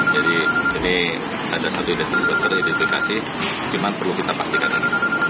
jadi ini ada satu identifikasi cuma perlu kita pastikan